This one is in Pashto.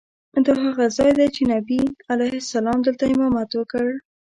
دا هغه ځای دی چې نبي علیه السلام دلته امامت وکړ.